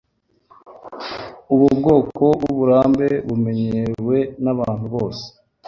Ubu bwoko bwuburambe bumenyerewe nabantu bose.